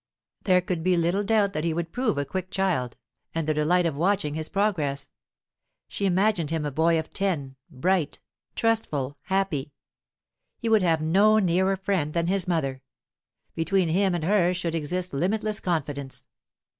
There could be little doubt that he would prove a quick child, and the delight of watching his progress! She imagined him a boy of ten, bright, trustful, happy; he would have no nearer friend than his mother; between him and her should exist limitless confidence.